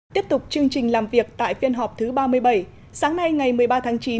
tiếp tục chương trình làm việc tại phiên họp thứ ba mươi bảy sáng nay ngày một mươi ba tháng chín